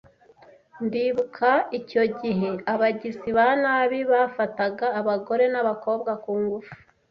Ndibuka icyo gihe abagizi ba nabi bafataga abagore n’abakobwa ku ngufu